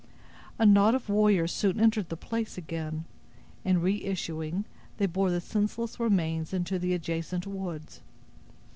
A knot of warriors soon entered the place again, and reissuing, they bore the senseless remains into the adjacent woods.